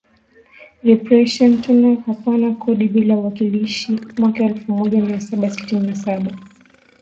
representation hapana kodi bila uwakilishi Mwaka elfumoja miasaba sitini na Saba